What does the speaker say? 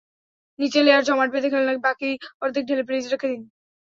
নিচের লেয়ার জমাট বেঁধে গেলে বাকি অর্ধেক ঢেলে ফ্রিজে রেখে দিন।